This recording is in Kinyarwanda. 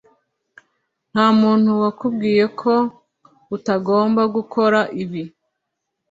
Ntamuntu wakubwiye ko utagomba gukora ibi?